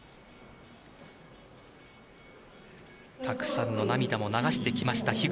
たくさんの涙も流してきました